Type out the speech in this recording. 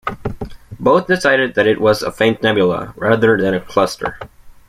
Both decided that it was a faint nebula rather than a cluster.